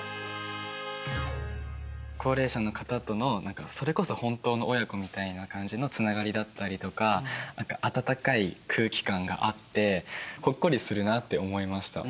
高齢者の方との何かそれこそ本当の親子みたいな感じのつながりだったりとか温かい空気感があってほっこりするなって思いました。